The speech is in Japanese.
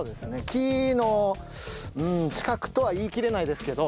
木の近くとは言いきれないですけど。